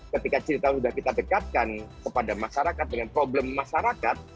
ketika cerita sudah kita dekatkan kepada masyarakat dengan problem masyarakat